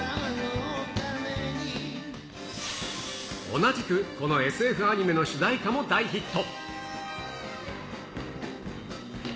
同じくこのＳＦアニメの主題歌も大ヒット。